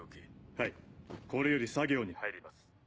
はいこれより作業に入ります。